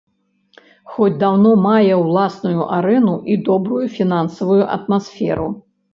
Хоць даўно мае ўласную арэну і добрую фінансавую атмасферу.